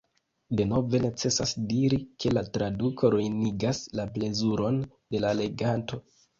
Denove necesas diri, ke la traduko ruinigas la plezuron de la leganto.